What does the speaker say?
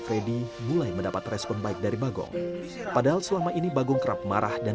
freddy mulai mendapat respon baik dari bagong padahal selama ini bagong kerap marah dan